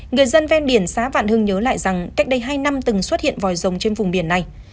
người dân ven biển xã vạn hưng nhớ lại rằng cách đây hai năm từng xuất hiện vòi rồng trên vùng biển này